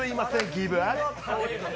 ギブアップ。